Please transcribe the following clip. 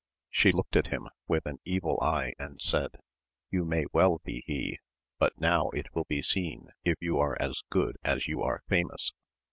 She looked at him with an evil eye and said, You may well be he ! but now it will be seen if you are as good as you are famous